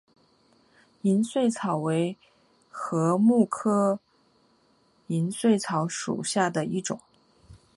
银穗草为禾本科银穗草属下的一个种。